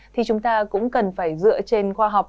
thì chúng ta cũng cần phải dựa trên khoa học